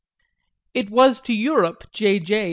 It was to Europe J. J.